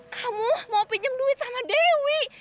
kamu mau pinjam duit sama dewi